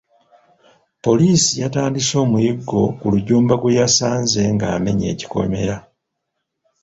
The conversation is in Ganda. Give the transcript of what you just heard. Poliisi yatandise omuyiggo ku Rujjumba gwe yasanze nga amenya ekikomera.